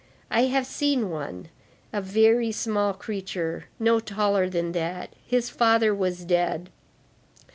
I have seen one, a very small creature, no taller than that. His father was dead.